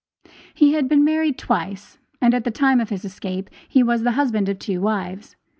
He had been married twice, and at the time of his escape he was the husband of two wives.